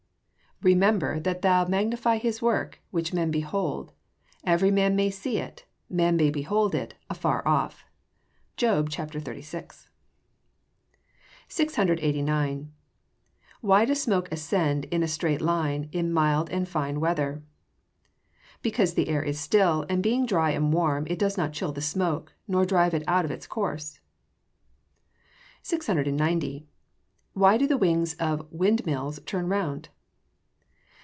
[Verse: "Remember that thou magnify his work, which men behold. Every man may see it; man may behold it afar off." JOB XXXVI.] 689. Why does smoke ascend in a straight line in mild and fine weather? Because the air is still, and being dry and warm it does not chill the smoke, nor drive it out of its course. 690. _Why do the wings of wind mills turn round?